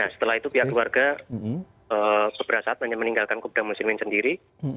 setelah itu pihak keluarga keberasaan meninggalkan kopda muslimin sendiri